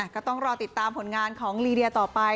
ก็ต้องรอติดตามผลงานของลีเดียต่อไป